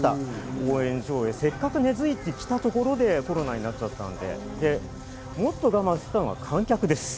応援上映、せっかく根づいてきたところでコロナになっちゃったんで、もっと我慢していたのは観客です。